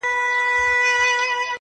پلار نیکه او ورنیکه مي ټول ښکاریان وه -